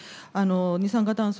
二酸化炭素